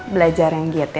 belajar yang giat ya